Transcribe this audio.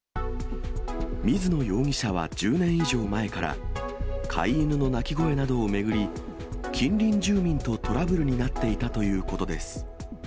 水野容疑者は１０年以上前から飼い犬の鳴き声などを巡り、近隣住民とトラブルになっていたということです。